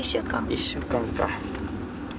１週間か。